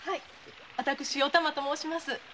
私お玉と申します。